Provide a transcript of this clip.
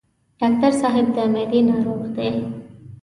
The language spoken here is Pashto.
ډاکټر صاحب د معدې ناروغ دی.